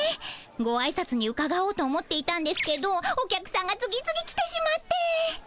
ごあいさつにうかがおうと思っていたんですけどお客さんが次々来てしまって。